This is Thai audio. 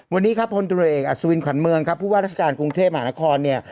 วันนี้ครับพลตรวจเอกอัศวินขวัญเมืองครับผู้ว่าราชการกรุงเทพมหานครเนี่ย